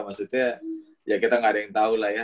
maksudnya ya kita gak ada yang tau lah ya